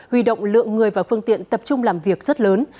huy động lượng người và phương tiện tập trung làm việc rất lớn